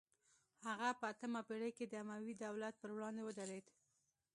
هغه په اتمه پیړۍ کې د اموي دولت پر وړاندې ودرید